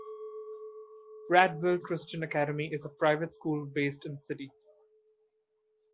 Prattville Christian Academy is a private school based in the city.